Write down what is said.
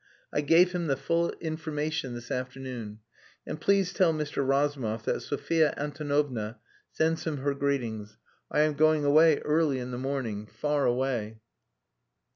I gave him the full information this afternoon. And please tell Mr. Razumov that Sophia Antonovna sends him her greetings. I am going away early in the morning far away.